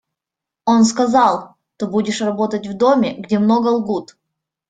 Он сказал: «Ты будешь работать в доме, где много лгут».